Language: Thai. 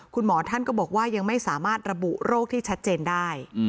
คุณหมอท่านก็บอกว่ายังไม่สามารถระบุโรคที่ชัดเจนได้